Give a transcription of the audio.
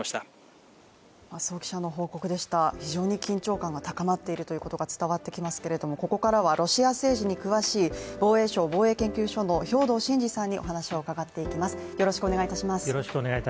非常に緊張感が高まっているということが伝わってきますけれどもここからはロシア政治に詳しい防衛省防衛研究所の兵頭慎治さんにお話を伺っていきます。